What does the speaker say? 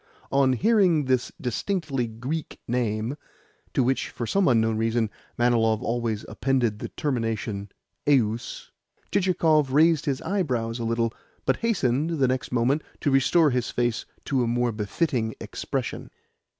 On hearing this distinctly Greek name (to which, for some unknown reason, Manilov always appended the termination "eus"), Chichikov raised his eyebrows a little, but hastened, the next moment, to restore his face to a more befitting expression.